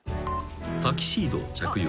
［タキシードを着用］